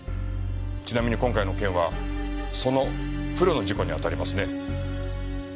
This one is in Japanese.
ちなみに今回の件はその不慮の事故に当たりますね。